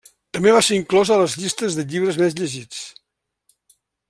També va ser inclosa a les llistes de llibres més llegits.